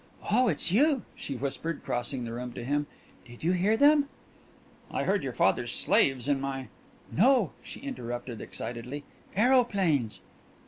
"Oh, it's you!" she whispered, crossing the room to him. "Did you hear them?" "I heard your father's slaves in my " "No," she interrupted excitedly. "Aeroplanes!"